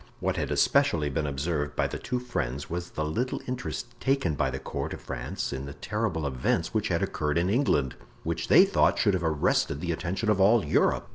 What had especially been observed by the two friends was the little interest taken by the court of France in the terrible events which had occurred in England, which they thought should have arrested the attention of all Europe.